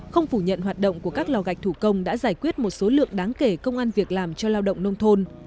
không phủ nhận hoạt động của các lò gạch thủ công đã giải quyết một số lượng đáng kể công an việc làm cho lao động nông thôn